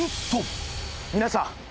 皆さん！